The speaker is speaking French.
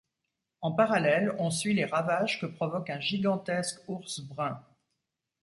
En parallèle, on suit les ravages que provoque un gigantesque ours brun.